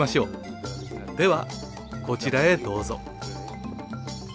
ではこちらへどうぞ。